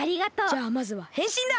じゃあまずはへんしんだ！